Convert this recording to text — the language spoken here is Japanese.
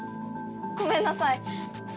ごめんなさい。